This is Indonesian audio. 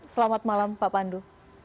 selamat malam pak pandu